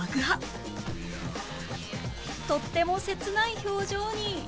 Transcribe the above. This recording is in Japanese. とっても切ない表情に